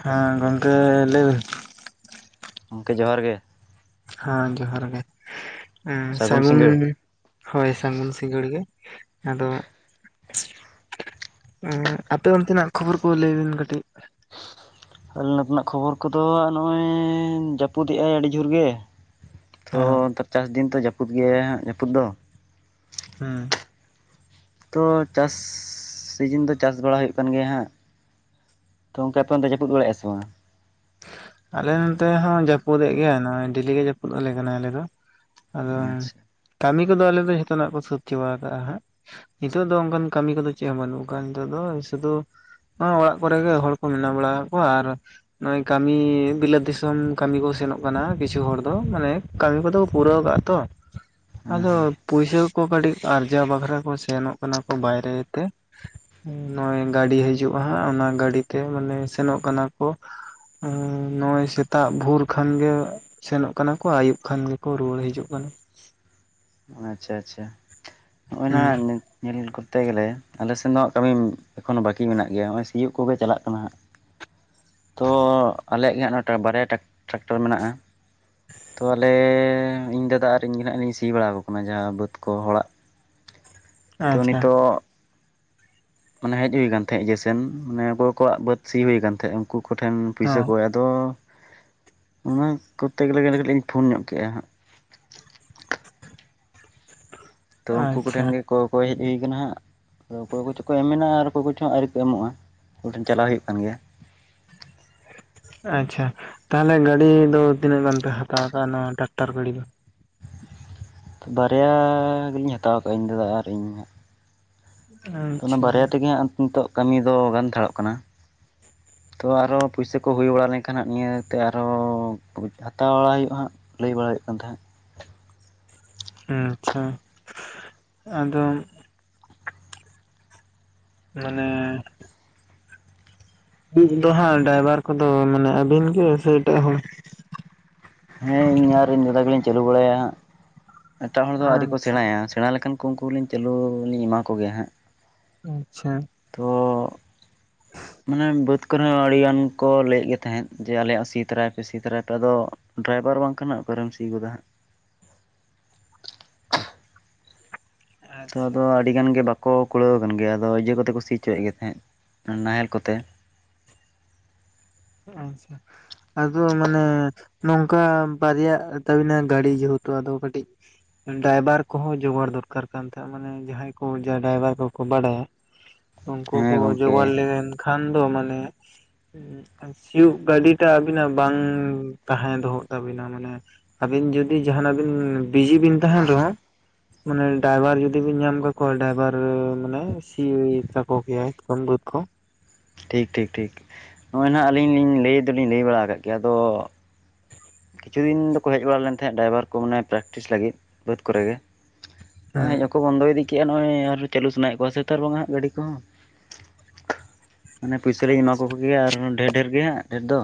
ᱦᱮᱸ ᱜᱚᱝᱠᱮ ᱞᱟᱹᱭ ᱚᱝᱠᱮ ᱡᱚᱦᱟᱨ ᱜᱮ᱾ ᱦᱮᱸ ᱡᱚᱦᱟᱨ ᱜᱮ, ᱮᱸ ᱥᱟᱹᱜᱩᱱ ᱧᱤᱫᱟᱹ᱾ ᱦᱳᱭ ᱥᱟᱹᱜᱩᱱ ᱥᱤᱸᱜᱟᱹᱲ ᱜᱮ, ᱟᱫᱚ ᱩᱸᱜ ᱟᱯᱮ ᱚᱱᱛᱮ ᱱᱟᱜ ᱠᱷᱚᱵᱚᱨ ᱠᱚ ᱞᱟᱹᱭ ᱵᱤᱱ ᱠᱟᱹᱴᱤᱡ? ᱟᱞᱮ ᱱᱚᱛᱮ ᱱᱟᱜ ᱠᱷᱚᱵᱚᱨ ᱠᱚᱫᱚ ᱟ ᱱᱚᱜᱼᱚᱭ ᱡᱟᱹᱯᱩᱫᱮᱜᱼᱟᱭ ᱟᱹᱰᱤ ᱡᱷᱳᱨ ᱜᱮ᱾ ᱛᱷᱚ ᱦᱮᱸ ᱱᱤᱛᱚ ᱪᱟᱥ ᱫᱤᱱ ᱛᱚ ᱡᱟᱹᱯᱩᱫ ᱜᱮᱭᱟᱭ ᱦᱟᱸᱜ ᱡᱟᱹᱯᱩᱫ ᱫᱚ᱾ ᱦᱩᱸ᱾ ᱛᱚ ᱪᱟᱥ ᱥᱤᱡᱤᱱ ᱫᱚ ᱪᱟᱥ ᱵᱟᱲᱟ ᱦᱩᱭᱩᱜ ᱠᱟᱱ ᱜᱮᱭᱟ ᱦᱟᱸᱜ᱾ ᱛᱚ ᱚᱝᱠᱟ ᱟᱯᱮ ᱚᱱᱛᱮ ᱡᱟᱹᱯᱩᱫ ᱵᱟᱲᱟᱭᱮᱼᱟ ᱥᱮ ᱵᱟᱝᱟ? ᱟᱞᱮ ᱱᱚᱱᱛᱮ ᱦᱚᱸ ᱡᱟᱹᱯᱩᱫᱮᱜ ᱜᱮᱭᱟᱭ ᱱᱚᱼᱚᱭ ᱰᱮᱞᱤ ᱜᱮ ᱡᱟᱹᱯᱩᱫ ᱟᱞᱮ ᱠᱟᱱᱟᱭ ᱟᱞᱮ ᱫᱚ᱾ ᱟᱫᱚ ᱟᱪᱪᱷᱟ ᱠᱟᱹᱢᱤ ᱠᱚᱫᱚ ᱟᱞᱮ ᱫᱚ ᱡᱷᱚᱛᱚ ᱱᱟᱜ ᱠᱚ ᱥᱟᱹᱛ ᱪᱟᱵᱟ ᱟᱠᱟᱜᱼᱟ ᱦᱟᱸᱜ᱾ ᱱᱤᱛᱚᱜ ᱫᱚ ᱚᱱᱠᱟᱱ ᱠᱟᱹᱢᱤ ᱠᱚᱫᱚ ᱪᱮᱫ ᱦᱚᱸ ᱵᱟᱹᱱᱩᱜ ᱟᱠᱟᱜᱼᱟ ᱱᱤᱛᱚᱜ ᱫᱚ ᱥᱩᱫᱩ ᱦ ᱚᱲᱟᱜ ᱠᱚᱨᱮᱜᱮ ᱦᱚᱲ ᱠᱚ ᱢᱮᱱᱟ ᱵᱟᱲᱟ ᱠᱚᱣᱟ ᱟᱨ ᱱᱚᱜᱼᱚᱭ ᱠᱟᱹᱢᱤ ᱵᱤᱞᱟᱹᱛ ᱫᱤᱥᱚᱢ ᱠᱟᱹᱢᱤ ᱠᱚ ᱥᱮᱱᱚᱜ ᱠᱟᱱᱟ, ᱠᱤᱪᱷᱩ ᱦᱚᱲ ᱫᱚ, ᱢᱟᱱᱮ ᱠᱟᱹᱢᱤ ᱠᱚᱫᱚ ᱠᱚ ᱯᱩᱨᱟᱹᱣ ᱠᱟᱜᱼᱟ ᱛᱚ᱾ [inaudible] [inaudible] ᱟᱫᱚ ᱦᱮᱸ ᱯᱩᱭᱥᱟᱹ ᱠᱚ ᱠᱟᱹᱴᱤᱡ ᱟᱨᱡᱟᱣ ᱵᱟᱠᱷᱨᱟ ᱠᱚ, ᱥᱮᱱᱚᱜ ᱠᱟᱱᱟ ᱠᱚ ᱵᱟᱭᱨᱮ ᱛᱮ᱾ ᱱᱚᱜᱚᱭ ᱜᱟᱹᱰᱤ ᱦᱤᱡᱩᱜᱼᱟ, ᱦᱟᱸ ᱚᱱᱟ ᱜᱟᱹᱰᱤᱛᱮ ᱢᱟᱱᱮ ᱥᱮᱱᱚᱜ ᱠᱟᱱᱟ ᱠᱚ᱾ ᱱᱚᱜ ᱚᱭ ᱥᱮᱛᱟᱜ ᱵᱷᱳᱨ ᱠᱷᱟᱱᱜᱮ ᱥᱮᱱᱚᱜ ᱠᱟᱱᱟ ᱠᱚ, ᱟᱹᱭᱩᱵ ᱠᱷᱟᱱ ᱜᱮᱠᱚ ᱨᱩᱣᱟᱹᱲ ᱦᱤᱡᱩᱜ ᱠᱟᱱᱟ᱾ ᱟᱪᱪᱷᱟ, ᱟᱪᱪᱷᱟ, ᱱᱚᱼᱚᱭ ᱱᱟ ᱦᱩᱸ ᱧᱮᱞ ᱠᱚᱨᱛᱮ ᱜᱮᱞᱮ ᱟᱞᱮ ᱥᱮᱱ ᱫᱚ ᱠᱟᱹᱢᱤ ᱮᱠᱷᱚᱱᱳ ᱵᱟᱠᱤ ᱢᱮᱱᱟᱜ ᱜᱮᱭᱟ, ᱦᱚᱼᱚᱭ ᱥᱤᱭᱳᱜ ᱠᱚᱜᱮ ᱪᱟᱞᱟᱜ ᱠᱟᱱᱟ, ᱦᱟᱸ ᱛᱚ ᱟᱞᱮᱭᱟᱜ ᱜᱮ ᱦᱟ, ᱚᱱᱟ ᱵᱟᱨᱭᱟ ᱴᱨᱟᱠᱴᱟᱨ ᱢᱮᱱᱟᱜᱼᱟ᱾ ᱛᱚ ᱟᱞᱮ ᱤᱧ ᱫᱟᱫᱟ ᱟᱨ ᱤᱧ ᱜᱮ ᱦᱟᱜ, ᱞᱤᱧ ᱥᱤ ᱵᱟᱲᱟ ᱟᱠᱚ ᱠᱟᱱᱟ ᱡᱟᱦᱟᱸ ᱵᱟᱹᱫᱽ ᱠᱚ ᱦᱚᱲᱟᱜ ᱛᱚ ᱟᱪᱪᱷᱟ ᱱᱤᱛᱚᱜ ᱢᱟᱱᱮ ᱦᱮᱡ ᱦᱩᱭ ᱠᱟᱱ ᱛᱟᱦᱮᱸ, ᱡᱮᱥᱮᱱ ᱢᱟᱱᱮ ᱚᱠᱚᱭ ᱠᱚᱣᱟᱜ ᱵᱟᱹᱫ ᱥᱤ ᱦᱩᱭ ᱠᱟᱱ ᱛᱟᱦᱮᱸ ᱩᱱᱠᱩ ᱠᱚᱴᱷᱮᱱ ᱯᱩᱭᱥᱟᱹ ᱦᱚᱸ ᱠᱚᱭ ᱛᱚ ᱚᱱᱟ ᱠᱚᱨᱛᱮ ᱜᱮᱞᱮ, ᱜᱮᱞᱮ ᱠᱟᱹᱴᱤᱡ ᱞᱤᱧ ᱯᱷᱳᱱ ᱧᱚᱜ ᱠᱮᱜᱼᱟ ᱦᱟᱸᱜ᱾ ᱛᱚ ᱩᱱᱠᱩ ᱟᱪᱪᱷᱟ ᱠᱚᱴᱷᱮᱱ ᱜᱮ ᱠᱚᱠᱚᱭ ᱦᱮᱡ ᱦᱩᱭ ᱠᱟᱱᱟ ᱦᱟᱸᱜ᱾ ᱛᱚ ᱚᱠᱚᱭ ᱠᱚᱪᱚ ᱠᱚ ᱮᱢ ᱢᱮᱱᱟᱜ-ᱟ, ᱟᱨ ᱚᱠᱚᱭ ᱠᱚᱪᱚᱝ ᱟᱹᱣᱨᱤ ᱠᱚ ᱮᱢᱚᱜᱼᱟ, ᱩᱱᱠᱩ ᱴᱷᱮᱱ ᱪᱟᱞᱟᱣ ᱦᱳᱭᱳᱜ ᱠᱟᱱ ᱜᱮᱭᱟ᱾ [inaudible] [inaudible] ᱟᱪᱪᱷᱟ, ᱛᱟᱦᱚᱞᱮ ᱜᱟᱹᱰᱤ ᱫᱚ ᱛᱤᱱᱟᱹᱜ ᱜᱟᱱ ᱯᱮ ᱦᱟᱛᱟᱣ ᱠᱟᱜᱼᱟ, ᱱᱚᱣᱟ ᱴᱟᱠᱴᱟᱨ ᱜᱟᱹᱰᱤ ᱫᱚ?? ᱵᱟᱨᱭᱟ ᱜᱮᱞᱤᱧ ᱦᱟᱛᱟᱣ ᱠᱟᱜᱼᱟ, ᱤᱧ ᱫᱟᱫᱟ ᱟᱨ ᱤᱧ ᱦᱟᱸᱜ᱾ ᱚᱱᱟ ᱟᱪᱪᱷᱟ ᱵᱟᱨᱭᱟ ᱛᱮᱜᱮ ᱦᱟᱸᱜ ᱱᱤᱛᱳᱜ ᱠᱟᱹᱢᱤ ᱫᱚ, ᱜᱟᱱᱛᱷᱟᱲᱚᱜ ᱠᱟᱱᱟ᱾ ᱛᱚ ᱟᱨᱚ ᱯᱩᱭᱥᱟᱹ ᱠᱚ ᱦᱳᱭ ᱵᱟᱲᱟ ᱞᱮᱱᱠᱷᱟᱱ, ᱦᱟᱸᱜ ᱱᱤᱭᱟᱹᱛᱮ ᱟᱨᱚ ᱦᱟᱛᱟᱣ ᱵᱟᱲᱟ ᱦᱳᱭᱳᱜᱼᱟ, ᱦᱟᱸᱜ᱾ ᱞᱟᱹᱭ ᱵᱟᱲᱟ ᱭᱮᱜ ᱠᱟᱱ ᱛᱟᱦᱮᱸᱫ᱾ ᱟᱪᱪᱷᱟ ᱟᱫᱚᱢ ᱢᱟᱱᱮ [unintelligible] ᱰᱟᱤᱵᱷᱟᱨ ᱠᱚᱫᱚ ᱢᱟᱱᱮ ᱟᱹᱵᱤᱱ ᱜᱮ ᱥᱮ ᱮᱴᱟᱜ ᱦᱚᱲ?? ᱦᱮᱸ ᱤᱧ ᱟᱨ ᱤᱧ ᱫᱟᱫᱟ ᱜᱮᱹᱞᱤᱧ ᱪᱟᱹᱞᱩ ᱵᱟᱲᱟᱭᱟ, ᱮᱴᱟᱜ ᱦᱚᱲ ᱫᱚ ᱟᱹᱣᱨᱤ ᱠᱚ ᱟᱪᱪᱷᱟ ᱥᱮᱬᱟᱭᱟ, ᱥᱮᱬᱟ ᱞᱮᱠᱷᱟᱱ ᱩᱱᱠᱩ, ᱩᱱᱠᱩ ᱞᱤᱧ ᱪᱟᱞᱩ ᱞᱤᱧ ᱮᱢᱟ ᱠᱚᱜᱮᱭᱟ ᱦᱟᱸᱜ᱾ ᱟᱪᱪᱷᱟ ᱛᱚ ᱢᱟᱱᱮ ᱵᱟᱹᱫᱽ ᱠᱚᱨᱮ ᱦᱚᱸ, ᱟᱹᱰᱤᱜᱟᱱ ᱠᱚ ᱞᱟᱹᱭᱮᱫ ᱜᱮ ᱛᱟᱦᱮᱫ, ᱡᱮ ᱟᱞᱮᱭᱟᱜ ᱥᱤ ᱛᱟᱨᱟᱭᱯᱮ ᱥᱤ ᱛᱚᱨᱟᱭ ᱯᱮ ᱟᱫᱚ ᱰᱨᱟᱭᱵᱷᱟᱨ ᱵᱟᱝ ᱠᱷᱟᱱ ᱦᱟᱸᱜ ᱚᱠᱟᱨᱮᱢ ᱥᱤ ᱜᱚᱫᱟ ᱦᱟᱸᱜ᱾ ᱛᱚ ᱟᱪᱪᱷᱟ ᱟᱫᱚ ᱟᱹᱰᱤ ᱜᱟᱱ ᱜᱮ ᱵᱟᱠᱚ ᱠᱩᱲᱟᱹᱣ ᱠᱟᱱᱜᱮ, ᱟᱫᱚ ᱤᱭᱟᱹ ᱠᱚᱛᱮ ᱠᱚ ᱥᱤ ᱪᱚᱭᱮᱫ ᱜᱮ ᱛᱟᱦᱮᱸᱫ ᱱᱟᱦᱮᱞ ᱠᱚᱛᱮ᱾ ᱟᱪᱪᱷᱟ, ᱟᱫᱚ ᱢᱟᱱᱮ ᱱᱚᱝᱠᱟ ᱵᱟᱨᱭᱟᱜ ᱛᱟᱵᱤᱱᱟ ᱜᱟᱰᱤ ᱡᱮᱦᱮᱛᱩ ᱟᱫᱚ ᱠᱟᱹᱴᱤᱡ ᱰᱟᱭᱵᱟᱨ ᱠᱚᱦᱚᱸ ᱡᱚᱜᱟᱲ ᱫᱚᱨᱠᱟᱨ ᱠᱟᱱ ᱛᱟᱦᱮ᱾ ᱢᱟᱱᱮ ᱡᱟᱦᱟᱸᱭ ᱠᱚ ᱡᱟ ᱰᱟᱭᱵᱟᱨ ᱠᱚᱠᱚ ᱵᱟᱲᱟᱭᱟ᱾ ᱩᱱᱠᱩ ᱦᱮᱸ ᱠᱚ ᱜᱚᱝᱠᱮ ᱡᱚᱜᱟᱲ ᱞᱮᱱᱠᱷᱟᱱ ᱫᱚ ᱢᱟᱱᱮ ᱥᱤᱭᱳᱜ ᱜᱟᱹᱰᱤᱴᱟᱸ ᱟᱵᱤᱱᱟᱜ ᱵᱟᱝ ᱛᱟᱦᱮᱸ ᱫᱚᱦᱚᱜ ᱛᱟᱵᱤᱱᱟ ᱢᱟᱱᱮ ᱟᱵᱤᱱ ᱡᱩᱫᱤ ᱡᱟᱦᱟᱸᱱᱟ ᱵᱤᱱ ᱵᱤᱡᱤ ᱵᱤᱱ ᱛᱟᱦᱮᱱ ᱨᱮᱦᱚᱸ ᱢᱟᱱᱮ ᱰᱟᱭᱵᱷᱟᱨ ᱡᱩᱫᱤ ᱵᱤᱱ ᱧᱟᱢ ᱠᱟᱠᱚᱼᱟ, ᱰᱟᱭᱵᱷᱟᱨ ᱢᱟᱱᱮ ᱥᱤ ᱛᱟᱠᱚ ᱠᱮᱼᱟᱭ ᱩᱱ ᱵᱟᱸᱫ ᱠᱚ᱾ ᱴᱷᱤᱠ, ᱴᱷᱤᱠ, ᱴᱷᱤᱠ, ᱱᱚᱼᱚᱭ ᱱᱟᱜ ᱟᱹᱞᱤᱧ ᱞᱤᱧ ᱞᱟᱹᱭ ᱫᱩᱞᱤᱧ ᱞᱟᱹᱭ ᱵᱟᱲᱟ ᱠᱟᱜ ᱜᱮᱭᱟ ᱟᱫᱚ ᱠᱤᱪᱷᱩ ᱫᱤᱱ ᱫᱚᱠᱚ ᱦᱮᱡ ᱵᱟᱲᱟ ᱞᱮᱱ ᱛᱟᱦᱮᱸᱜ, ᱰᱨᱟᱭᱵᱷᱟᱨ ᱠᱚ ᱢᱟᱱᱮ, ᱯᱨᱮᱠᱴᱤᱥ ᱞᱟᱹᱜᱤᱫ ᱵᱟᱹᱫᱽ ᱠᱚᱨᱮ ᱜᱮ ᱦᱮᱸ ᱦᱮᱡ ᱦᱚᱠᱚ ᱵᱚᱱᱫᱚ ᱤᱫᱤ ᱠᱮᱜᱼᱟ, ᱱᱚᱜᱼᱚᱭ ᱟᱨᱚᱸ ᱪᱟᱹᱞᱩ ᱥᱟᱱᱟᱭᱮ ᱠᱚᱣᱟ ᱥᱮ ᱛᱟᱨ ᱵᱟᱝᱟ ᱦᱟᱸᱜ ᱜᱟᱹᱰᱤ ᱠᱚ᱾ ᱢᱟᱱᱮ ᱯᱩᱭᱥᱟᱹ ᱞᱤᱧ ᱮᱢᱟ ᱠᱚ ᱟᱪᱪᱷᱟ ᱠᱚᱜᱮᱭᱟ, ᱟᱨᱦᱚᱸ ᱰᱷᱮᱨ, ᱰᱷᱮᱨ ᱜᱮ ᱦᱟᱸᱜ ᱰᱷᱮᱨ ᱫᱚ,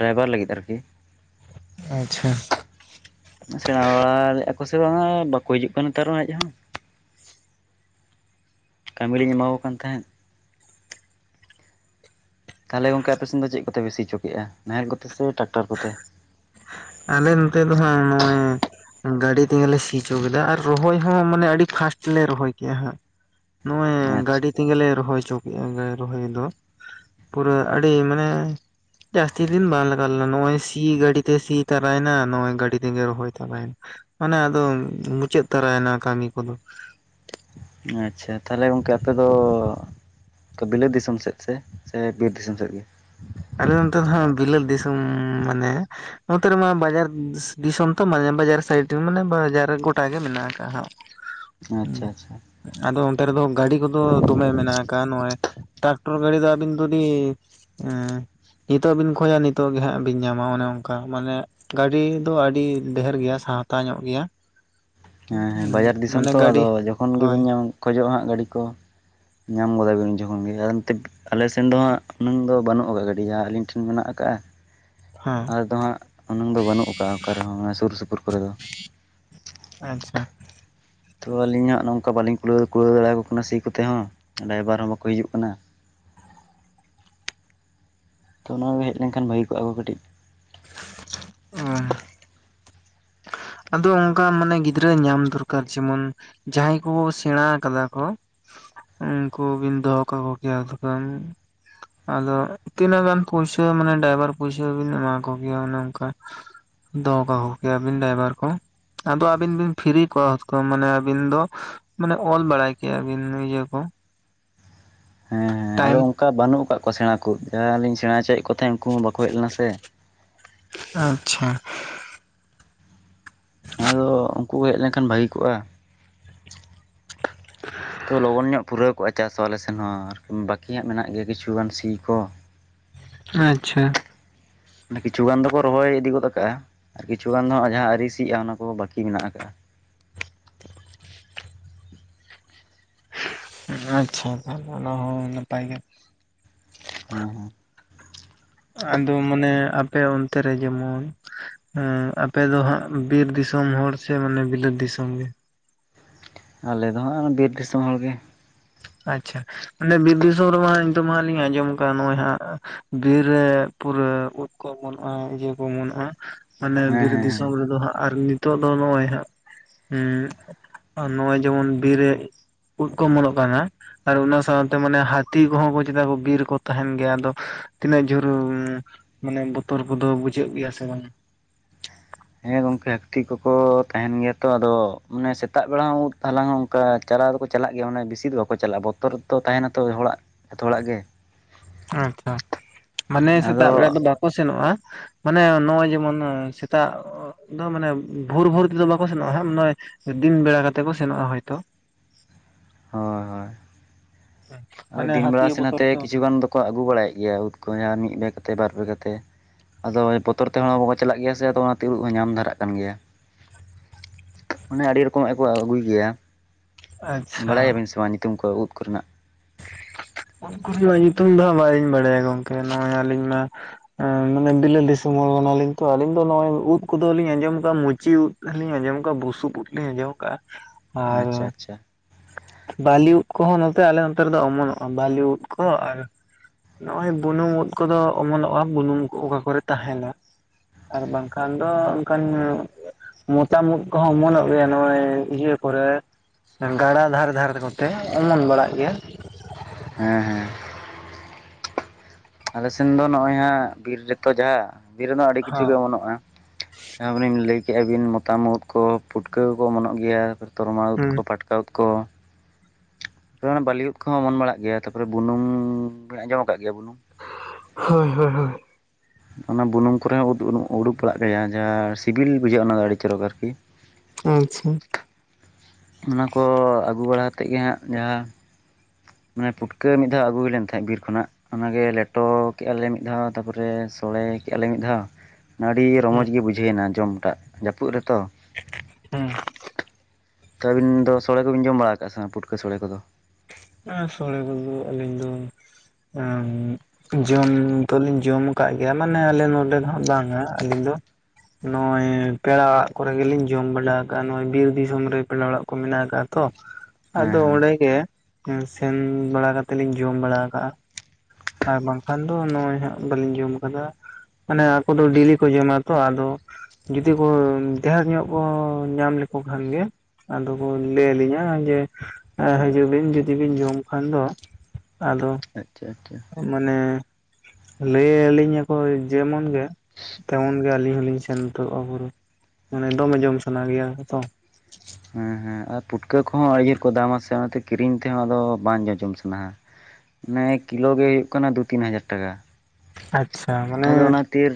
ᱰᱟᱭᱵᱷᱟᱨ ᱞᱟᱹᱜᱤᱫ ᱟᱨᱠᱤ᱾ ᱟᱪᱪᱷᱟ, ᱥᱮᱬᱟ ᱵᱟᱲᱟ ᱞᱮᱜ ᱟᱠᱚ ᱥᱮ ᱵᱟᱝᱟ, ᱵᱟᱠᱚ ᱦᱤᱡᱩᱜ ᱠᱟᱱᱟ ᱱᱮᱛᱟᱨ ᱦᱚ ᱦᱮᱡ ᱦᱚᱸ᱾ ᱠᱟᱹᱢᱤ ᱞᱤᱧ ᱮᱢᱟᱠᱚ ᱠᱟᱱ ᱛᱟᱦᱮᱸᱱ᱾ ᱛᱟᱦᱚᱞᱮ ᱜᱚᱝᱠᱮ ᱟᱯᱮᱥᱮᱱ ᱫᱚ, ᱪᱮᱫ ᱠᱚᱛᱮ ᱯᱮ ᱥᱤᱪᱚ ᱠᱮᱜᱼᱟ, ᱱᱟᱦᱮᱞ ᱠᱚᱛᱮ ᱥᱮ ᱴᱟᱠᱴᱟᱨ ᱠᱚᱛᱮ? ᱟᱞᱮ ᱱᱚᱛᱮ ᱫᱚ ᱦᱟᱸᱜ ᱱᱚᱜᱼᱚᱭ ᱜᱟᱹᱰᱤ ᱛᱮᱜᱮᱞᱮ ᱥᱤᱪᱚ ᱠᱮᱫᱟ ᱟᱨ ᱨᱚᱦᱚᱭ ᱦᱚᱸ ᱢᱟᱱᱮ ᱟᱹᱰᱤ ᱯᱷᱟᱥᱴ ᱞᱮ ᱨᱚᱦᱚᱭ ᱠᱮᱫᱟ ᱦᱟᱸᱜ᱾ ᱱᱚᱜᱼᱚᱭ ᱟᱪᱪᱷᱟ ᱜᱟᱹᱰᱤ ᱛᱮᱜᱮᱞᱮ ᱨᱚᱦᱚᱭ ᱦᱚᱪᱚ ᱠᱮᱫᱮᱜᱼᱟ ᱨᱚᱦᱚᱭ ᱫᱚ᱾ ᱯᱩᱨᱟᱹ ᱟᱹᱰᱤ ᱢᱟᱱᱮ ᱡᱟᱹᱥᱛᱤ ᱫᱤᱱ ᱵᱟᱝ ᱞᱟᱜᱟᱣ ᱱᱚᱜ ᱚᱭ ᱥᱤ ᱜᱟᱹᱰᱤ ᱛᱮ ᱥᱤ ᱛᱟᱨᱟᱭᱮᱱᱟ ᱱᱚᱜ ᱚᱭ ᱜᱟᱹᱰᱤ ᱛᱮᱜᱮ ᱨᱚᱦᱚᱭ ᱛᱟᱨᱟᱭᱮᱱᱟ᱾ ᱢᱟᱱᱮ ᱟᱫᱚ ᱢᱩᱪᱟᱹᱫ ᱛᱚᱨᱟᱭᱮᱱᱟ ᱠᱟᱹᱢᱤ ᱠᱚᱫᱚ᱾ ᱟᱪᱪᱷᱟ ᱛᱟᱦᱞᱮ ᱜᱚᱝᱠᱮ ᱟᱯᱮ ᱫᱚ ᱵᱤᱞᱟᱹᱛ ᱫᱤᱥᱚᱢ ᱥᱮᱫ ᱥᱮ ᱥᱮ ᱵᱤᱨ ᱫᱤᱥᱚᱢ ᱥᱮᱫ ᱜᱮ? ᱟᱞᱮ ᱱᱚᱱᱛᱮᱫᱚ ᱵᱤᱞᱟᱹᱛ ᱫᱤᱥᱩᱢ ᱢᱟᱱᱮ ᱱᱚᱛᱮ ᱨᱮᱢᱟ ᱵᱟᱡᱟᱨ ᱫᱤᱥᱚᱢ ᱛᱚ ᱢᱟᱱᱮ ᱵᱟᱡᱟᱨ ᱥᱟᱭᱤᱰ ᱢᱟᱱᱮ ᱵᱟᱡᱟᱨ ᱜᱚᱴᱟ ᱜᱮ ᱢᱮᱱᱟᱜ ᱟᱠᱟᱜᱼᱟ ᱦᱟᱸᱜ᱾ ᱦᱩᱸ ᱟᱪᱪᱷᱟ ᱟᱪᱪᱷᱟ ᱟᱫᱚ ᱚᱱᱛᱮ ᱨᱮᱫᱚ ᱜᱟᱹᱰᱤ ᱠᱚᱫᱚ ᱫᱚᱢᱮ ᱢᱮᱱᱟᱜ ᱟᱠᱟᱫᱼᱟ ᱱᱚᱜᱼᱚᱭ ᱴᱨᱟᱠᱴᱚᱨ ᱜᱟᱹᱰᱤ ᱫᱚ ᱟᱹᱵᱤᱱ ᱡᱩᱫᱤ ᱮ ᱱᱤᱛᱚᱜ ᱵᱤᱱ ᱠᱷᱚᱡᱟ ᱱᱤᱛᱚᱜ ᱜᱮ ᱦᱟᱸᱜ ᱵᱤᱱ ᱧᱟᱢᱟ ᱚᱱᱮ ᱚᱱᱠᱟ ᱢᱟᱱᱮ ᱜᱟᱹᱰᱤ ᱫᱚ ᱟᱹᱰᱤ ᱰᱷᱮᱨ ᱜᱮᱭᱟ ᱥᱟᱦᱛᱟ ᱧᱚᱜ ᱜᱮᱭᱟ᱾ ᱦᱮᱸ ᱦᱮᱸ ᱵᱟᱡᱟᱨ ᱫᱤᱥᱚᱢ ᱢᱟᱱᱮ ᱛᱚ ᱜᱟᱹᱰᱤ ᱟᱫᱚ ᱡᱚᱠᱷᱚᱱ ᱦᱳᱭ ᱜᱮᱵᱤᱱ ᱧᱟᱢ ᱠᱷᱚᱡᱚᱜᱼᱟ ᱦᱟᱸᱜ ᱜᱟᱹᱰᱤ ᱠᱚ ᱧᱟᱢ ᱜᱚᱫᱟᱵᱤᱱ ᱩᱱ ᱡᱚᱠᱷᱚᱱ ᱜᱮ ᱟᱨ ᱟᱞᱮ ᱥᱮᱱ ᱫᱚ ᱦᱟᱸᱜ ᱩᱱᱟᱹᱝ ᱫᱚ ᱵᱟᱹᱱᱩᱜ ᱟᱠᱟᱜᱼᱟ ᱜᱟᱹᱰᱤ ᱡᱟᱦᱟᱸ ᱟᱹᱞᱤᱧ ᱴᱷᱮᱱ ᱢᱮᱱᱟᱜ ᱟᱠᱟᱜᱼᱟ᱾ ᱦᱮᱸ ᱟᱫᱚ ᱦᱟᱸᱜ ᱩᱱᱟᱹᱝ ᱫᱚ ᱵᱟᱹᱱᱩᱜ ᱟᱠᱟᱴᱟᱜᱼᱟ ᱚᱠᱟᱨ ᱨᱮᱦᱚᱸ ᱚᱱᱟ ᱥᱩᱨ ᱥᱩᱯᱩᱨ ᱠᱚᱨᱮ ᱫᱚ᱾ ᱟᱪᱪᱷᱟ ᱛᱚ ᱟᱹᱞᱤᱧᱦᱟᱸᱜ ᱱᱚᱝᱠᱟ ᱵᱟᱹᱞᱤᱧ ᱠᱩᱞᱟᱹᱣ ᱠᱩᱞᱟᱹᱣ ᱫᱟᱲᱮᱭᱟᱠᱚ ᱠᱟᱱᱟ ᱥᱤ ᱠᱚᱛᱮ ᱦᱚᱸ ᱰᱟᱭᱵᱟᱨ ᱦᱚᱸ ᱵᱟᱠᱚ ᱦᱤᱡᱩᱜ ᱠᱟᱱᱟ᱾ [inaudible] ᱛᱚ ᱚᱱᱟ ᱠᱚ ᱦᱮᱡ ᱞᱮᱱᱠᱷᱟᱱ ᱵᱷᱟᱹᱜᱤ ᱠᱚᱜᱼᱟ ᱠᱚ ᱠᱟᱹᱴᱤᱡ ᱚ [inaudible] ᱟᱫᱚ ᱚᱱᱠᱟ ᱢᱟᱱᱮ ᱜᱤᱫᱽᱨᱟᱹ ᱧᱟᱢ ᱫᱚᱨᱠᱟᱨ ᱡᱮᱢᱚᱱ ᱡᱟᱦᱟᱸᱭ ᱠᱚ ᱥᱮᱬᱟ ᱟᱠᱟᱫᱟ ᱠᱚ᱾ ᱩᱱᱠᱩ ᱵᱤᱱ ᱫᱚᱦᱚ ᱠᱟᱠᱚ ᱠᱮᱭᱟ᱾ [inaudible] ᱟᱫᱚ ᱛᱤᱱᱟᱹᱜ ᱜᱟᱱ ᱯᱩᱭᱥᱟ ᱢᱟᱱᱮ ᱰᱟᱭᱵᱟᱨ ᱯᱩᱭᱥᱟ ᱵᱤᱱ ᱮᱢᱟ ᱠᱚᱜᱮᱭᱟ ᱚᱱᱮ ᱚᱱᱠᱟ᱾ ᱫᱚᱦᱚ ᱠᱟᱠᱚ ᱠᱮᱭᱟᱵᱤᱱ ᱰᱟᱭᱵᱟᱨ ᱟᱫᱚ ᱟᱹᱵᱤᱱ ᱵᱤᱱ ᱯᱷᱨᱤ ᱠᱚᱣᱟ ᱢᱟᱱᱮ ᱟᱵᱤᱱ ᱫᱚ ᱢᱟᱱᱮ ᱚᱞ ᱵᱟᱲᱟᱭ ᱠᱮᱭᱟ ᱵᱤᱱ ᱤᱭᱟᱹ ᱠᱚ ᱦᱮᱸ ᱦᱮᱸ ᱟᱫᱚ ᱴᱟᱭᱤᱢ ᱚᱱᱠᱟ ᱵᱟᱹᱱᱩᱜ ᱟᱠᱟᱫ ᱠᱚᱣᱟ ᱥᱮᱬᱟ ᱠᱚ ᱡᱟᱦᱟᱸᱞᱤᱧ ᱥᱮᱬᱟ ᱚᱪᱚᱭᱮᱫ ᱠᱚ ᱛᱟᱦᱮᱸᱫ ᱩᱱᱠᱩ ᱦᱚᱸ ᱵᱟᱠᱚ ᱦᱮᱡ ᱞᱮᱱᱟ ᱥᱮ ᱟᱪᱪᱷᱟ ᱟᱫᱚ ᱩᱱᱠᱩ ᱠᱚ ᱦᱮᱡ ᱞᱮᱱᱠᱷᱟᱱ ᱵᱷᱟᱹᱜᱤ ᱠᱚᱜᱼᱟ᱾ ᱛᱚ ᱞᱚᱜᱚᱱ ᱧᱚᱜ ᱯᱩᱨᱟᱹᱣ ᱠᱚᱜᱼᱟ ᱪᱟᱥ ᱟᱞᱮ ᱥᱮᱱ ᱦᱚᱸ ᱟᱨ ᱵᱟᱹᱠᱤᱭᱟᱜ ᱢᱮᱱᱟᱜ ᱜᱮᱭᱟ ᱠᱤᱪᱷᱩᱜᱟᱱ ᱥᱤ ᱠᱚ᱾ ᱟᱪᱪᱷᱟ ᱠᱤᱪᱷᱩ ᱜᱟᱱ ᱫᱚᱠᱚ ᱨᱚᱦᱚᱭ ᱤᱫᱤ ᱜᱚᱫ ᱠᱟᱜᱼᱟ ᱟᱨ ᱠᱤᱪᱷᱩ ᱜᱟᱱ ᱫᱚᱜ ᱡᱟᱦᱟᱸ ᱟᱣᱹᱨᱤ ᱥᱤᱜᱼᱟ ᱚᱱᱟ ᱠᱚ ᱵᱟᱠᱤ ᱢᱮᱱᱟᱜ ᱟᱠᱟᱜᱼᱟ᱾ ᱟᱪᱪᱷᱟ [unintelligible] ᱚᱱᱟ ᱦᱚᱸ ᱱᱟᱯᱟᱭ ᱜᱮ᱾ ᱦᱮᱸ ᱦᱮᱸ ᱟᱫᱚ ᱢᱟᱱᱮ ᱟᱯᱮ ᱚᱱᱛᱮ ᱨᱮ ᱡᱮᱢᱚᱱ ᱦᱮᱸ ᱟᱯᱮ ᱫᱚ ᱦᱟᱸᱜ ᱵᱤᱨ ᱫᱤᱥᱚᱢ ᱦᱚᱲ ᱥᱮ ᱢᱟᱱᱮ ᱵᱤᱞᱟᱹᱛ ᱫᱤᱥᱚᱢ ᱜᱮ? ᱟᱞᱮᱫ ᱫᱚ ᱦᱟᱸᱜ ᱵᱤᱨ ᱫᱤᱥᱚᱢ ᱦᱚᱲᱜᱮ᱾ ᱟᱪᱪᱷᱟ ᱚᱱᱮ ᱵᱤᱨ ᱫᱤᱥᱚᱢ ᱨᱮᱢᱟ ᱱᱤᱛᱚᱜ ᱢᱟ ᱦᱟᱸᱜ ᱞᱤᱧ ᱟᱸᱡᱚᱢ ᱟᱠᱟᱫᱼᱟ ᱱᱚᱜᱼᱚᱭ ᱦᱟᱸᱜ᱾ ᱵᱤᱨ ᱨᱮ ᱯᱩᱨᱟᱹ ᱩᱫ ᱠᱚ ᱮᱢᱚᱱᱚᱜᱼᱟ ᱤᱭᱟᱹ ᱠᱚ ᱮᱢᱚᱱᱚᱜᱼᱟ᱾ ᱢᱟᱱᱮ ᱦᱮᱸ ᱵᱤᱨ ᱦᱮᱸ ᱦᱮᱸ ᱫᱤᱥᱚᱢ ᱨᱮᱫᱚ ᱦᱟᱸᱜ ᱟᱨ ᱢᱤᱫ ᱱᱤᱛᱚᱜ ᱫᱚ ᱱᱚᱜᱼᱚᱭ ᱦᱟᱸᱜ ᱱᱚᱜᱼᱚᱭ ᱡᱮᱢᱚᱱ ᱵᱤᱨ ᱨᱮ ᱩᱫ ᱠᱚ ᱚᱢᱚᱱᱚᱜ [unintelligible] ᱟᱨ ᱚᱱᱟ ᱥᱟᱶᱛᱮ ᱢᱟᱱᱮ ᱦᱟᱹᱛᱤ ᱠᱚᱦᱚᱸ ᱠᱚ ᱪᱮᱫ ᱵᱤᱨ ᱨᱮ ᱠᱚ ᱛᱟᱦᱮᱱ ᱜᱮᱭᱟ ᱟᱫᱚ ᱛᱤᱱᱟᱹᱜ ᱡᱷᱳᱨ ᱢᱟᱱᱮ ᱵᱚᱛᱚᱨ ᱠᱚᱫᱚ ᱵᱩᱡᱷᱟᱹᱜ ᱜᱮᱭᱟ ᱥᱮ ᱵᱟᱝ᱾ ᱦᱮᱸ ᱜᱚᱝᱠᱮ ᱦᱟᱠᱛᱤ ᱠᱚᱠᱚ ᱛᱟᱦᱮᱱ ᱜᱮᱭᱟ ᱛᱚ ᱟᱫᱚ ᱢᱟᱱᱮ ᱥᱮᱛᱟᱜ ᱵᱮᱲᱟ ᱦᱩᱸ ᱛᱟᱞᱟᱝ ᱦᱩᱸ ᱚᱱᱠᱟ ᱪᱟᱞᱟᱣ ᱫᱚᱠᱚ ᱪᱟᱞᱟᱜ ᱜᱮᱭᱟ ᱚᱱᱮ ᱵᱮᱥᱤ ᱫᱚ ᱵᱟᱠᱚ ᱪᱟᱞᱟᱜᱼᱟ ᱵᱚᱛᱚᱨᱛᱚ ᱛᱟᱦᱮᱱᱟᱛᱚ ᱦᱚᱲᱟᱜ ᱡᱚᱛᱚ ᱦᱚᱲᱟᱜ ᱜᱮ ᱾ ᱟᱪᱪᱟ ᱢᱟᱱᱮ ᱥᱮᱛᱟᱜ ᱵᱮᱲᱟ ᱟᱫᱚ ᱫᱚ ᱵᱟ ᱠᱚ ᱥᱮᱱᱚᱜᱼᱟ ᱢᱟᱱᱮ ᱱᱚᱜᱼᱚᱭ ᱡᱮᱢᱚᱱ ᱥᱮᱛᱟᱜ ᱫᱚ ᱢᱟᱱᱮ ᱵᱷᱳᱨ ᱵᱷᱳᱨ ᱛᱮᱫᱚ ᱵᱟᱠᱚ ᱥᱮᱱᱚᱜᱼᱟ ᱦᱟᱸᱜ ᱱᱚᱭ ᱫᱤᱱ ᱵᱮᱲᱟ ᱠᱟᱛᱮ ᱠᱚ ᱥᱮᱱᱚᱜᱼᱟ ᱦᱳᱭᱛᱚ ᱾ ᱦᱚᱭ ᱦᱚᱭ ᱾ ᱟᱫᱚ ᱢᱟᱱᱮ ᱫᱤᱱ ᱵᱮᱲᱟ ᱦᱟᱹᱛᱤᱭᱟᱜ ᱥᱮ ᱵᱚᱛᱚᱨ ᱱᱟᱛᱮ ᱛᱚ ᱠᱤᱪᱷᱩ ᱜᱟᱱ ᱫᱚᱠᱚ ᱟᱹᱜᱩ ᱵᱟᱲᱟᱭᱮᱫ ᱜᱮᱭᱟ ᱩᱫᱽ ᱠᱚᱸᱭᱟ ᱢᱤᱫ ᱵᱮᱜᱛᱮ ᱵᱟᱨ ᱵᱮᱜᱟᱛᱮ ᱾ ᱟᱫᱚ ᱵᱚᱛᱚᱨ ᱛᱮᱦᱚᱸ ᱵᱟᱠᱚ ᱪᱟᱞᱟᱜ ᱜᱮᱭᱟ ᱥᱮ ᱟᱫᱚ ᱚᱱᱟ ᱛᱤᱨᱩᱜ ᱦᱚᱸ ᱧᱟᱢ ᱫᱷᱟᱨᱟᱜ ᱠᱟᱱ ᱜᱮᱭᱟ ᱾ ᱚᱱᱮ ᱟᱹᱰᱤ ᱨᱚᱠᱚᱢᱟᱜ ᱠᱚ ᱟᱹᱜᱩᱭ ᱜᱮᱭᱟ ᱟᱪᱪᱷᱟ ᱵᱟᱲᱟᱭᱟᱵᱤᱱ ᱥᱮᱵᱟᱝ ᱧᱩᱛᱩᱢ ᱠᱚ ᱩᱫᱽ ᱠᱚᱨᱮᱱᱟᱜ? ᱩᱫᱽ ᱠᱚᱨᱮᱱᱟᱜ ᱧᱩᱛᱩᱢ ᱫᱚ ᱦᱟᱸᱜ ᱵᱟᱤᱧ ᱵᱟᱲᱟᱭᱟ ᱜᱚᱝᱠᱮ ᱱᱚᱜᱼᱚᱭ ᱟᱹᱞᱤᱧ ᱢᱟ ᱮᱸ ᱢᱟᱱᱮ ᱵᱤᱞᱟᱹᱛ ᱫᱤᱥᱚᱢ ᱦᱚᱲ ᱠᱟᱱᱟᱞᱤᱧ ᱛᱚ ᱟᱹᱞᱤᱧ ᱫᱚ ᱱᱚᱜᱼᱚᱭ ᱩᱫᱽ ᱠᱚᱫᱚᱞᱤᱧ ᱟᱸᱡᱚᱢ ᱟᱠᱟᱜᱟ ᱢᱩᱪᱤ ᱩᱫ ᱟᱦᱞᱤᱧ ᱟᱸᱡᱚᱢ ᱠᱟ ᱵᱩᱥᱩᱵ ᱩᱫ ᱞᱤᱧ ᱟᱸᱡᱚᱢ ᱠᱟᱜᱼᱟ ᱾ ᱟᱪᱷᱟ ᱪᱷᱟ ᱾ ᱵᱟᱹᱞᱤ ᱩᱫ ᱠᱚᱦᱚᱸ ᱱᱚᱛᱮ ᱟᱞᱮ ᱚᱱᱛᱮ ᱨᱮᱫᱚ ᱚᱢᱚᱱᱚᱜᱼᱟ ᱵᱟᱹᱞᱤ ᱩᱫ ᱠᱚ ᱟᱨ ᱱᱚᱜ ᱚᱭ ᱵᱩᱱᱩᱢ ᱩᱫ ᱠᱚᱫᱚ ᱚᱢᱚᱱᱚᱜᱼᱟ ᱵᱩᱱᱩᱢ ᱚᱠᱟ ᱠᱚᱨᱮ ᱛᱟᱸᱦᱮᱱᱟ ᱾ ᱟᱨ ᱵᱟᱝᱠᱷᱟᱱ ᱫᱚ ᱚᱱᱠᱟᱱ ᱢᱚᱛᱟᱢ ᱩᱫ ᱠᱚᱦᱚᱸ ᱚᱢᱚᱱᱚᱜ ᱜᱮᱭᱟ ᱱᱚᱜᱼᱚᱭ ᱤᱭᱟᱹ ᱠᱚᱨᱮ ᱜᱟᱲᱟ ᱫᱷᱟᱨᱮ ᱫᱷᱟᱨᱮ ᱠᱚᱛᱮ ᱚᱢᱚᱱ ᱵᱟᱲᱟᱜ ᱜᱮᱭᱟ ᱾ ᱦᱮᱸ ᱦᱮᱸ ᱾ ᱟᱞᱮᱥᱮᱱ ᱫᱚ ᱱᱚᱜᱼᱚᱭ ᱦᱟᱸᱜ ᱵᱤᱨ ᱨᱮᱛᱚ ᱡᱷᱟ ᱵᱤᱨ ᱨᱮᱱᱚ ᱟᱹᱰᱤ ᱠᱤᱪᱷᱩ ᱦᱚᱸ ᱜᱮ ᱚᱢᱚᱱᱚᱜᱼᱟ ᱾ ᱚᱤᱱ ᱞᱟᱹᱭ ᱠᱮᱜᱼᱟ ᱵᱤᱱ ᱢᱚᱛᱟᱢ ᱩᱫ ᱠᱚ ᱯᱩᱴᱠᱟᱹ ᱠᱚᱠᱚ ᱚᱢᱚᱱᱚᱜ ᱜᱮᱭᱟ, ᱛᱚᱨᱢᱟ ᱩᱫᱽ ᱦᱩᱸ ᱠᱚ ᱯᱟᱴᱠᱟ ᱩᱫᱽ ᱠᱚ, ᱵᱟᱞᱤ ᱩᱫ ᱠᱚᱦᱚᱸ ᱚᱢᱚᱱ ᱵᱟᱲᱟᱜ ᱜᱮᱭᱟ ᱛᱟᱯᱚᱨᱮ ᱵᱩᱱᱩᱢᱻ ᱟᱸᱡᱚᱢ ᱟᱠᱟᱜ ᱜᱮᱭᱟ ᱵᱩᱱᱩᱢ? ᱦᱳᱭ ᱦᱳᱭ ᱦᱳᱭ ᱾ [inaudible] ᱚᱱᱟ ᱵᱩᱱᱩᱢ ᱠᱚᱨᱮ ᱦᱚᱸ ᱩᱫ ᱩᱸ ᱩᱰᱩᱠ ᱵᱟᱲᱟᱜ ᱜᱮᱭᱟ ᱡᱟᱦᱟᱸ ᱥᱤᱵᱤᱞ ᱵᱩᱡᱷᱟᱹᱜᱼᱟ ᱚᱱᱟ ᱜᱮ ᱟᱹᱲᱤ ᱪᱚᱨᱚᱠ ᱟᱨᱠᱤ᱾ ᱟᱪᱷᱟ ᱾ ᱚᱱᱟᱠᱚ ᱟᱹᱜᱩ ᱵᱟᱲᱟᱦᱟᱛᱮᱜ ᱜᱮ ᱦᱟᱸᱜ ᱡᱟᱦᱟᱸ ᱢᱟᱱᱮ ᱯᱩᱴᱠᱟᱹ ᱢᱤᱫ ᱫᱷᱟᱣ ᱟᱜᱩ ᱦᱩᱭ ᱞᱮᱱ ᱛᱟᱦᱮᱸᱜ ᱵᱤᱨ ᱠᱷᱚᱱᱟᱜ, ᱚᱱᱟᱜᱮ ᱞᱮᱴᱚ ᱠᱮᱜ ᱟᱞᱮ ᱢᱤᱫ ᱫᱷᱟᱣ ᱛᱟᱯᱚᱨᱮ ᱥᱚᱲᱮ ᱠᱮᱜ ᱟᱞᱮ ᱢᱤᱫ ᱫᱷᱟᱣ ᱟᱹᱰᱤ ᱨᱚᱢᱚᱡᱽ ᱦᱮᱸ ᱜᱮ ᱵᱩᱡᱷᱟᱹ ᱮᱱᱟ ᱡᱚᱢᱴᱟᱜ ᱡᱟᱹᱯᱩᱫ ᱨᱮᱛᱚ᱾ [unintelligible] ᱦᱩᱸ ᱾ ᱛᱚ ᱟᱹᱵᱤᱱ ᱫᱚ ᱥᱚᱲᱮ ᱠᱚᱵᱤᱱ ᱡᱚᱢ ᱵᱟᱲᱟᱠᱟᱜᱼᱟ ᱥᱮ ᱯᱩᱴᱠᱟᱹ ᱥᱚᱲᱮ ᱠᱚᱫᱚ? ᱦᱮᱸ ᱥᱚᱲᱮ ᱠᱚᱫᱚ ᱟᱹᱞᱤᱧ ᱫᱚ [inaudible] ᱡᱚᱢ ᱫᱚᱞᱤᱧ ᱡᱚᱢ ᱟᱠᱟᱜ ᱜᱮᱭᱟ ᱢᱟᱱᱮ ᱟᱞᱮ ᱱᱚᱰᱮ ᱫᱚ ᱦᱟᱸᱜ ᱵᱟᱝᱟ ᱟᱹᱞᱤᱧ ᱫᱚ ᱱᱚᱜᱼᱚᱭ ᱯᱮᱲᱟ ᱚᱲᱟᱜ ᱠᱚᱨᱮᱜᱮᱞᱤᱧ ᱡᱚᱢ ᱵᱟᱰᱟ ᱟᱠᱟᱜᱼᱟ ᱱᱚᱜ ᱚᱭ ᱵᱤᱨ ᱫᱤᱥᱚᱢ ᱨᱮ ᱯᱮᱲᱟ ᱚᱲᱟᱜ ᱠᱚ ᱢᱮᱱᱟᱜ ᱟᱠᱟᱜᱼᱟ ᱛᱚ ᱾ [unintelligible] ᱟᱫᱚ ᱚᱸᱲᱮᱜᱮ ᱥᱮᱱ ᱵᱟᱲᱟ ᱠᱟᱛᱮᱞᱤᱧ ᱡᱚᱢ ᱵᱟᱲᱟ ᱟᱠᱟᱜᱼᱟ ᱾ ᱟᱨ ᱵᱟᱝᱠᱷᱟᱱ ᱫᱚ ᱱᱚᱜᱼᱚᱭ ᱦᱟᱸᱜ ᱵᱟᱹᱞᱤᱧ ᱡᱚᱢ ᱠᱟᱫᱟ ᱾ ᱢᱟᱱᱮ ᱟᱠᱚ ᱫᱚ ᱰᱤᱞᱤ ᱠᱚ ᱡᱚᱢᱟᱛᱚ ᱟᱫᱚ ᱡᱩᱫᱤ ᱠᱚ ᱫᱷᱮᱨ ᱧᱚᱜ ᱠᱚ ᱧᱟᱢ ᱞᱮᱠᱚ ᱠᱷᱟᱱ ᱜᱮ ᱟᱫᱚ ᱠᱚ ᱞᱟᱹᱭ ᱟᱹᱞᱤᱧᱟ ᱡᱮᱸ ᱦᱤᱡᱩᱜ ᱵᱤᱱ ᱡᱩᱫᱤ ᱵᱤᱱ ᱡᱚᱢ ᱠᱷᱟᱱ ᱫᱚ ᱟᱫᱚ ᱟᱪᱪᱟ ᱟᱪᱪᱟ ᱾ ᱢᱟᱱᱮᱻ ᱞᱟᱹᱭ ᱟᱹᱞᱤᱧᱟᱠᱚ ᱡᱮᱢᱚᱱ ᱜᱮ ᱛᱮᱢᱚᱱ ᱜᱮ ᱟᱹᱞᱤᱧ ᱦᱚᱞᱤᱧ ᱥᱮᱱ ᱩᱛᱚᱨᱚᱜᱼᱟ ᱯᱩᱨᱟᱹ ᱾ ᱢᱟᱱᱮ ᱫᱚᱢ‌ ᱡᱚᱢ ᱥᱟᱱᱟ ᱜᱮᱭᱟ ᱦᱮᱸᱛᱚ, ᱦᱮᱸ ᱦᱮᱸ ᱟᱨ ᱯᱩᱴᱠᱟᱹ ᱠᱚᱦᱚᱸ ᱟᱹᱨᱤ ᱡᱳᱨ ᱠᱚ ᱫᱟᱢᱟ ᱥᱮ ᱚᱱᱟᱛᱮ ᱠᱤᱨᱤᱧ ᱛᱮᱦᱚᱸ ᱟᱫᱚ ᱵᱟᱝ ᱡᱚᱡᱚᱢ ᱥᱟᱱᱟᱦᱟᱸ ᱾ ᱚᱱᱮ ᱠᱤᱞᱳ ᱜᱮ ᱦᱳᱭᱩᱜ ᱠᱟᱱᱟ ᱫᱩ ᱛᱤᱱ ᱦᱟᱡᱟᱨ ᱴᱟᱠᱟ ᱾ ᱟᱪᱪᱷᱟ, ᱢᱟᱱᱮ ᱛᱤᱨ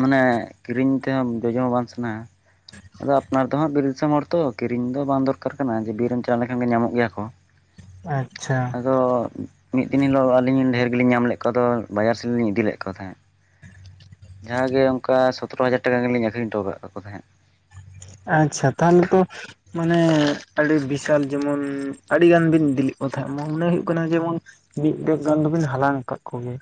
ᱢᱟᱱᱮ ᱠᱤᱨᱤᱧ ᱛᱮᱦᱚᱸ ᱡᱚᱡᱚᱢ ᱦᱚᱸ ᱵᱟᱝ ᱥᱟᱱᱟᱣᱟ᱾ ᱟᱫᱚ ᱟᱯᱱᱟᱨ ᱫᱚ ᱦᱟᱸᱜ ᱵᱤᱨ ᱫᱤᱥᱚᱢ ᱦᱚᱲ ᱛᱚ ᱠᱤᱨᱤᱧ ᱫᱚ ᱵᱟᱝ ᱫᱚᱨᱠᱟᱨ ᱠᱟᱱᱟ ᱡᱮ ᱵᱤᱨ ᱮᱢ ᱪᱟᱞᱟᱣ ᱞᱮᱠᱷᱟᱱ ᱜᱮ ᱧᱟᱢᱚᱜ ᱜᱮᱭᱟ ᱠᱚ᱾ ᱟᱪᱪᱷᱟ᱾ ᱟᱫᱚ ᱢᱤᱫ ᱫᱤᱱ ᱦᱤᱞᱳᱜ ᱟᱹᱞᱤᱧ ᱰᱷᱮᱨ ᱜᱮᱞᱤᱧ ᱧᱟᱢ ᱞᱮᱫ ᱠᱚᱣᱟ, ᱟᱫᱚ ᱵᱟᱡᱟᱨ ᱥᱮᱫ ᱞᱤᱧ ᱤᱫᱤ ᱞᱮᱫ ᱠᱚ ᱛᱟᱦᱮᱸᱫ, ᱡᱟᱦᱟᱸ ᱜᱮ ᱚᱱᱠᱟ ᱥᱚᱛᱨᱚ ᱦᱟᱡᱟᱨ ᱴᱟᱠᱟ ᱜᱮᱞᱤᱧ ᱟᱹᱷᱨᱤᱧ ᱦᱚᱴᱚ ᱟᱠᱟᱫ ᱠᱚ ᱛᱟᱦᱮᱸᱫ᱾ ᱟᱪᱪᱷᱟ ᱛᱟᱦᱞᱮ ᱛᱚ ᱢᱟᱱᱮ ᱟᱹᱰᱤ ᱵᱤᱥᱟᱞ ᱡᱮᱢᱚᱱ ᱟᱹᱰᱤᱜᱟᱱ ᱵᱤᱱ ᱤᱫᱤᱞᱮᱜ ᱠᱚ ᱛᱟᱦᱮᱸᱫ ᱢᱚᱱᱮ ᱦᱩᱭᱩᱜ ᱠᱟᱱᱟ ᱡᱮᱢᱚᱱ ᱢᱤᱫ ᱵᱮᱜᱽ ᱜᱟᱱ ᱫᱚᱵᱤᱱ ᱦᱟᱞᱟᱝ ᱟᱠᱟᱫ ᱠᱚᱜᱮᱭᱟ᱾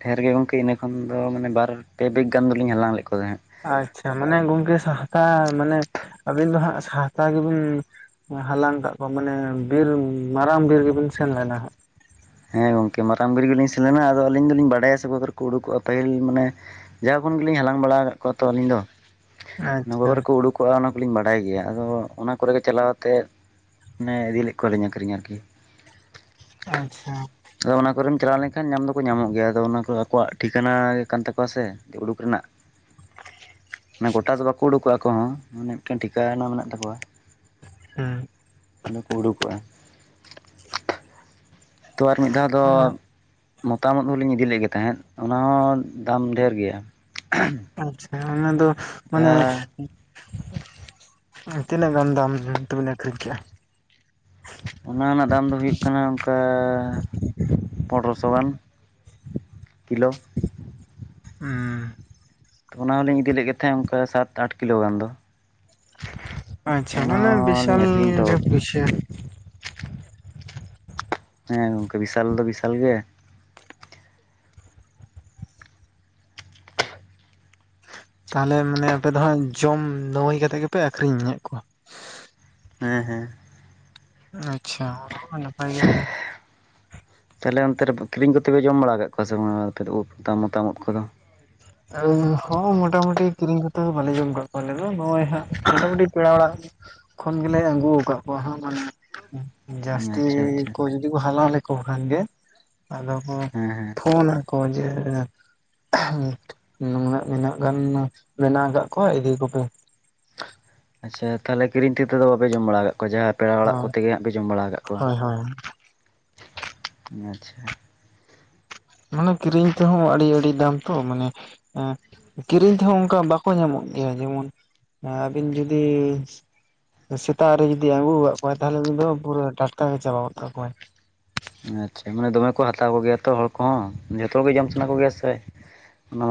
ᱰᱷᱮᱨ ᱜᱮ ᱜᱚᱝᱠᱮ ᱤᱱᱟᱹ ᱠᱷᱚᱱ ᱫᱚ ᱢᱟᱱᱮ ᱵᱟᱨ ᱯᱮ ᱵᱮᱜᱽ ᱜᱟᱱ ᱫᱚᱞᱤᱧ ᱦᱟᱞᱟᱝ ᱞᱮᱫ ᱠᱚ ᱛᱟᱦᱮᱸᱫ᱾ ᱟᱪᱪᱷᱟ ᱢᱟᱱᱮ ᱜᱚᱝᱠᱮ ᱥᱟᱦᱟᱠᱟ ᱢᱟᱱᱮ ᱟᱹᱵᱤᱱ ᱫᱚ ᱦᱟᱸᱜ ᱥᱟᱦᱟᱠᱟ ᱜᱮᱵᱤᱱ ᱦᱟᱞᱟᱝ ᱠᱟᱜ ᱠᱚᱣᱟ ᱢᱟᱱᱮ ᱵᱤᱨ ᱢᱟᱨᱟᱝ ᱵᱤᱨ ᱜᱮᱵᱤᱱ ᱥᱮᱱ ᱞᱮᱱᱟ ᱦᱟᱸᱜ᱾ ᱦᱮᱸ ᱜᱚᱝᱠᱮ ᱢᱟᱨᱟᱝ ᱵᱤᱨ ᱜᱮᱞᱤᱧ ᱥᱮᱱ ᱞᱮᱱᱟ ᱟᱫᱚ ᱟᱹᱞᱤᱧ ᱫᱚᱞᱤᱧ ᱵᱟᱰᱟᱭᱟ ᱥᱮ ᱚᱠᱟ ᱠᱚ ᱨᱮᱠᱚ ᱩᱰᱩᱠᱚᱜᱼᱟ ᱯᱟᱹᱦᱤᱞ ᱢᱟᱱᱮ ᱡᱟᱣ ᱠᱷᱚᱱ ᱜᱮᱞᱤᱧ ᱦᱟᱞᱟᱝ ᱵᱟᱲᱟ ᱟᱠᱟᱫ ᱠᱚᱣᱟ ᱛᱚ ᱟᱹᱞᱤᱧ ᱫᱚ ᱚᱱᱟ ᱟᱪᱪᱷᱟ ᱠᱚᱨᱮ ᱠᱚ ᱩᱰᱩᱠ ᱠᱚᱜᱼᱟ ᱚᱱᱟ ᱠᱚᱞᱤᱧ ᱵᱟᱰᱟᱭ ᱜᱮᱭᱟ᱾ ᱟᱫᱚ ᱚᱱᱟ ᱠᱚᱨᱮᱜᱮ ᱪᱟᱞᱟᱣ ᱠᱟᱛᱮᱫ ᱢᱟᱱᱮ ᱤᱫᱤ ᱞᱮᱫ ᱠᱚᱣᱟᱞᱤᱧ ᱟᱹᱠᱷᱨᱤᱧ ᱟᱨᱠᱤ᱾ ᱟᱪᱪᱷᱟ ᱟᱫᱚ ᱚᱱᱟ ᱠᱚᱨᱮᱢ ᱪᱟᱞᱟᱣ ᱞᱮᱱᱠᱷᱟᱱ ᱧᱟᱢ ᱫᱚᱠᱚ ᱧᱟᱢᱚᱜ ᱜᱮᱭᱟ᱾ ᱟᱫᱚ ᱚᱱᱟ ᱠᱚ ᱟᱠᱚᱣᱟᱜ ᱴᱷᱤᱠᱟᱱᱟ ᱜᱮ ᱠᱟᱱ ᱛᱟᱠᱚᱣᱟ ᱥᱮ᱾ ᱩᱰᱩᱠ ᱨᱮᱱᱟᱜ ᱢᱟᱱᱮ ᱜᱚᱴᱟ ᱫᱚ ᱵᱟᱠᱩ ᱩᱰᱩᱠᱚᱜᱼᱟ ᱟᱠᱚ ᱦᱚᱸ ᱢᱟᱱᱮ ᱢᱤᱫᱴᱟᱝ ᱴᱷᱤᱠᱟᱱᱟ ᱢᱮᱱᱟᱜ ᱛᱟᱠᱚᱣᱟ᱾ ᱦᱩᱸ ᱚᱸᱰᱮ ᱠᱚ ᱩᱰᱩᱠᱚᱜᱼᱟ᱾ [inaudible] ᱛᱚ ᱟᱨ ᱢᱤᱫ ᱫᱷᱟᱣ ᱫᱚ ᱚᱱᱟ ᱢᱚᱛᱟᱢ ᱳᱫ ᱦᱚᱸᱞᱤᱧ ᱤᱫᱤᱞᱮᱜ ᱜᱮ ᱛᱟᱦᱮᱸᱫ ᱚᱱᱟ ᱦᱚᱸ ᱫᱟᱢ ᱰᱷᱮᱨ ᱜᱮᱭᱟ᱾ ᱟᱪᱪᱷᱟ ᱚᱱᱟ ᱫᱚ ᱢᱟᱱᱮ ᱡᱟᱦᱟᱸ ᱛᱤᱱᱟᱹᱜ ᱜᱟᱱ ᱫᱟᱢ ᱛᱵᱤᱱ ᱟᱹᱠᱷᱨᱤᱧ ᱠᱮᱜᱼᱟ᱾ ᱚᱱᱟ ᱨᱮᱱᱟᱜ ᱫᱟᱢ ᱫᱚ ᱦᱩᱭᱩᱜ ᱠᱟᱱᱟ ᱚᱱᱠᱟ ᱯᱚᱱᱨᱚ ᱥᱚ ᱜᱟᱱ ᱠᱤᱞᱳ [unintelligible] ᱛᱚ ᱚᱱᱟ ᱦᱚᱞᱤᱧ ᱤᱫᱤ ᱞᱮᱫ ᱜᱮ ᱛᱟᱦᱮᱸᱫ ᱚᱱᱠᱟ ᱥᱟᱛ ᱟᱴ ᱠᱤᱞᱳ ᱜᱟᱱ ᱫᱚ ᱟᱪᱪᱷᱟ ᱛᱚ ᱚᱱᱟ ᱢᱟᱱᱮ ᱵᱤᱥᱟᱞ ᱦᱚᱸᱞᱤᱧ ᱟᱹᱠᱷᱨᱤᱧ ᱜᱮ ᱦᱚᱴᱚ ᱟᱠᱟᱜᱼᱟ ᱯᱩᱭᱥᱟᱹ ᱦᱮᱸ ᱜᱚᱝᱠᱮ ᱵᱤᱥᱟᱞ ᱫᱚ ᱵᱤᱥᱟᱞ ᱜᱮ ᱛᱟᱦᱞᱮ ᱢᱟᱱᱮ ᱟᱯᱮ ᱫᱚ ᱦᱟᱸᱜ ᱡᱚᱢ ᱱᱟᱹᱣᱟᱹᱭ ᱠᱟᱛᱮᱜ ᱜᱮᱯᱮ ᱟᱹᱠᱷᱨᱤᱧᱮᱫ ᱠᱚᱣᱟ᱾ ᱦᱮᱸ ᱦᱮᱸ ᱟᱪᱪᱷᱟ ᱱᱟᱯᱟᱭ ᱜᱮ ᱢᱟᱱᱮ ᱛᱟᱞᱦᱮ ᱚᱱᱛᱮ ᱨᱮ ᱠᱤᱨᱤᱧ ᱠᱚᱛᱮᱯᱮ ᱡᱚᱢ ᱵᱟᱲᱟ ᱠᱟᱜ ᱠᱚᱣᱟ ᱥᱮ ᱵᱟᱝ ᱩᱫ ᱢᱚᱛᱟᱢ ᱩᱫ ᱠᱚᱫᱚ ᱦᱚᱸ ᱢᱳᱴᱟᱢᱩᱴᱤ ᱠᱤᱨᱤᱧ ᱠᱟᱛᱮ ᱫᱚ ᱵᱟᱞᱮ ᱡᱚᱢᱠᱟᱫ ᱠᱚᱣᱟ ᱟᱞᱮ ᱫᱚ ᱱᱚᱜᱼᱚᱭ ᱦᱟᱸᱜ ᱢᱚᱴᱟᱢᱩᱴᱤ ᱯᱮᱲᱟ ᱚᱲᱟᱜ ᱠᱷᱚᱱ ᱜᱮᱞᱮ ᱟᱹᱜᱩ ᱠᱟᱫ ᱠᱚᱣᱟ ᱦᱟᱸᱜ ᱢᱟᱱᱮ ᱡᱟᱹᱥᱛᱤ ᱟᱪᱪᱷᱟ ᱟᱪᱪᱷᱟ ᱠᱚ ᱡᱩᱫᱤ ᱠᱚ ᱦᱟᱞᱟᱝ ᱞᱮᱠᱚ ᱠᱷᱟᱱ ᱜᱮ ᱟᱫᱚ ᱠᱚ ᱦᱮᱸ ᱦᱮᱸ ᱯᱷᱳᱱᱟ᱾ ᱠᱚ ᱡᱮ ᱱᱩᱱᱟᱹᱜ ᱱᱤᱱᱟᱹᱜ ᱜᱟᱱ ᱢᱮᱱᱟᱜᱠᱟᱜ ᱠᱚᱣᱟ ᱤᱫᱤ ᱠᱚᱯᱮ ᱟᱪᱪᱷᱟ ᱛᱟᱦᱞᱮ ᱠᱤᱨᱤᱧ ᱛᱮᱫᱚ ᱵᱟᱯᱮ ᱡᱚᱢ ᱵᱟᱲᱟ ᱠᱟᱜ ᱠᱚᱣᱟ ᱡᱟᱦᱟᱸᱭ ᱯᱮᱲᱟ ᱚᱲᱟᱜ ᱠᱚ ᱛᱮᱜᱮ ᱦᱟᱸᱜ ᱯᱮ ᱡᱚᱢ ᱵᱟᱲᱟ ᱠᱟᱜ ᱠᱚᱣᱟ᱾ ᱦᱳᱭ ᱦᱳᱭ ᱟᱪᱪᱷᱟ ᱢᱟᱱᱮ ᱠᱤᱨᱤᱧ ᱛᱮᱦᱚᱸ ᱟᱹᱰᱤ ᱟᱹᱰᱤ ᱫᱟᱢ ᱛᱚ ᱢᱟᱱᱮ ᱠᱤᱨᱤᱧ ᱛᱮᱦᱚᱸ ᱚᱱᱠᱟ ᱵᱟᱠᱚ ᱧᱟᱢᱚᱜ ᱜᱮᱭᱟ ᱡᱮᱢᱚᱱ ᱦᱮ ᱟᱹᱵᱤᱱ ᱡᱩᱫᱤ ᱥᱮᱛᱟᱜ ᱨᱮ ᱡᱩᱫᱤ ᱟᱜᱩᱠᱟᱫ ᱠᱚᱣᱟᱭ ᱛᱟᱦᱚᱞᱮ ᱩᱱᱤ ᱫᱚ ᱯᱩᱨᱟᱹ ᱴᱟᱴᱠᱟ ᱜᱮ ᱪᱟᱵᱟᱜᱚᱫ ᱠᱟᱠᱚᱟᱭ ᱟᱪᱪᱷᱟ ᱢᱟᱱᱮ ᱫᱚᱢᱮ ᱠᱚ ᱦᱟᱛᱟᱣ ᱠᱚᱜᱮᱭᱟ ᱛᱚ ᱦᱚᱲ ᱠᱚᱦᱚᱸ ᱡᱚᱛᱚᱜᱮ ᱡᱚᱢ ᱥᱟᱱᱟ ᱠᱚᱜᱮᱭᱟ ᱥᱮ ᱚᱱᱟ